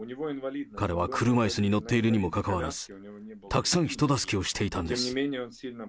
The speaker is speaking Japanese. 彼は車いすに乗っているにもかかわらず、たくさん人助けをしていたんです。